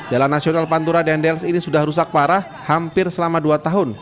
jalan nasional pantura dendels ini sudah rusak parah hampir selama dua tahun